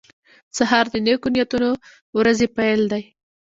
سهار د نیکو نیتونو ورځې پیل دی.